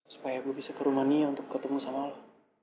supaya gue bisa ke rumania untuk ketemu sama lo